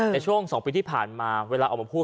ในช่วง๒ปีที่ผ่านมาเวลาออกมาพูด